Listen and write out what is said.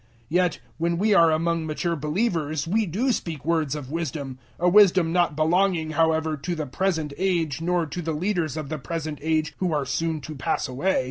002:006 Yet when we are among mature believers we do speak words of wisdom; a wisdom not belonging, however, to the present age nor to the leaders of the present age who are soon to pass away.